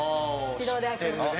自動で開きます